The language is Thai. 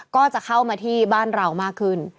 ก็จะเข้ามาที่บ้านเรามากขึ้น